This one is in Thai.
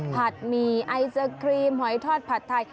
หมี่ไอศครีมหอยทอดผัดไทย